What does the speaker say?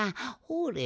ほれ